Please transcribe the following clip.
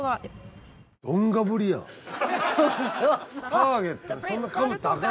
ターゲットにそんなかぶったらアカンて。